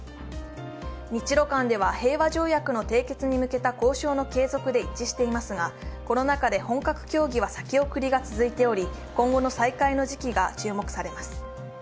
日ロ間では平和条約の締結に向けた交渉の継続で一致していますが、コロナ禍で本格協議は先送りが続いており、今後の再開の時期が注目されます。